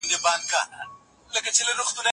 علامه رشاد د وطن د مینې او ادب سمبول دی.